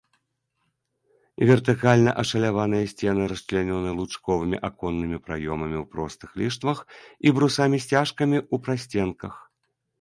Вертыкальна ашаляваныя сцены расчлянёны лучковымі аконнымі праёмамі ў простых ліштвах і брусамі-сцяжкамі ў прасценках.